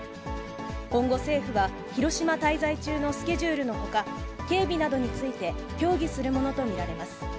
今後、政府は広島滞在中のスケジュールのほか、警備などについて協議するものと見られます。